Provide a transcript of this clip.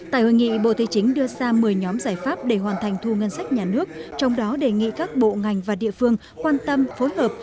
tại hội nghị bộ thế chính đưa ra một mươi nhóm giải pháp để hoàn thành thu ngân sách nhà nước trong đó đề nghị các bộ ngành và địa phương quan tâm phối hợp